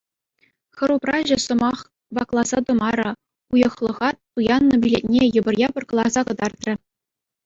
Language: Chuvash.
Хӗр упраҫӗ сӑмах вакласа тӑмарӗ — уйӑхлӑха туяннӑ билетне йӑпӑр-япӑр кӑларса кӑтартрӗ.